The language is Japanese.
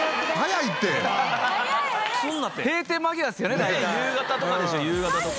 ねえ夕方とかでしょ夕方とか。